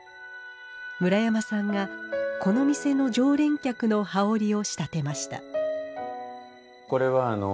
村山さんがこの店の常連客の羽織を仕立てました